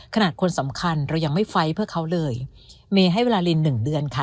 ขนาดคนสำคัญเรายังไม่ไฟล์เพื่อเขาเลยเมย์ให้เวลาลินหนึ่งเดือนค่ะ